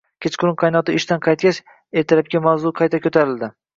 Kechqurun qaynotasi ishdan qaytgach, ertalabki mavzu qayta ko`tarildi